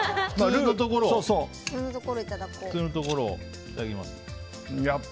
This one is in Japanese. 普通のところ、いただきます。